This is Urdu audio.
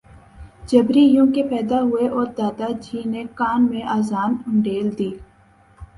جبری یوں کہ پیدا ہوئے اور دادا جی نے کان میں اذان انڈیل دی